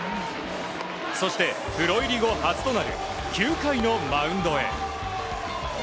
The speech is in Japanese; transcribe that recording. そして、プロ入り後初となる９回のマウンドへ。